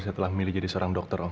saya telah milih jadi seorang dokter om